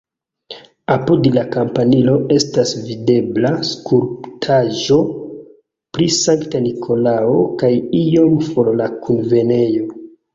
Apud la kampanilo estas videbla skulptaĵo pri Sankta Nikolao kaj iom for la kunvenejo.